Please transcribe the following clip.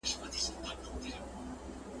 حقونه باید په عادلانه ډول ووېشل سي.